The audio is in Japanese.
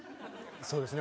そうですね。